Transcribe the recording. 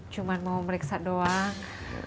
cuman mau meriksa doang